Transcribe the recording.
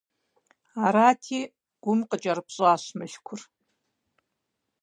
Арати, Гум къыкӀэрыпщӀащ Мылъкур.